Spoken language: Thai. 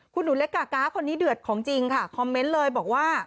คุณหนูเล็กกาก๊าคนนี้เดือดของจริงค่ะคอมเมนต์เลยบอกว่า